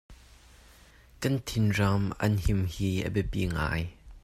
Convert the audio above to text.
Kan thingram an hnin hi a biapi ngai.